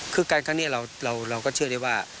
คือการครั้งนี้เราก็เชื่อได้ว่า